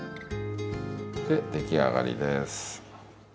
出来上がりです。